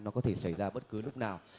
nó có thể xảy ra bất cứ lúc nào